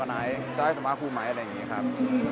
ไม่น่าเขียวเอ๊ะหมายถึงอะไรนะครับ